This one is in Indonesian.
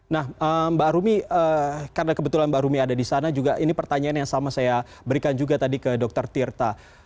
nah mbak rumi karena kebetulan mbak rumi ada di sana juga ini pertanyaan yang sama saya berikan juga tadi ke dr tirta